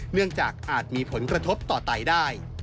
เนื่องจากอาจมีผลกระทบต่อไตได้